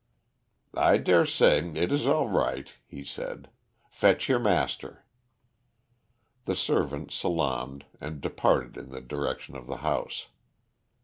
"I dare say it is all right," he said. "Fetch your master." The servant salaamed and departed in the direction of the house.